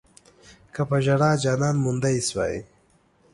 که پۀ ژړا جانان موندی شوی